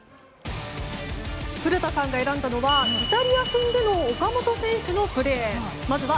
古田さんが選んだのはイタリア戦での岡本選手のプレー。